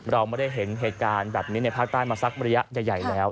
เราไม่ได้เห็นเหตุการณ์แบบนี้ในภาคใต้มาสักระยะใหญ่แล้ว